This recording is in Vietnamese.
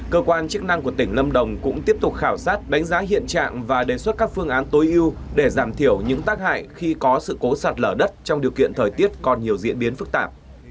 cơ quan chức năng của tỉnh lâm đồng cũng tiếp tục khảo sát đánh giá hiện trạng và đề xuất các phương án tối ưu để giảm thiểu những tác hại khi có sự cố sạt lở đất trong điều kiện thời tiết còn nhiều diễn biến phức tạp